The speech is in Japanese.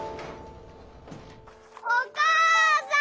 お母さん。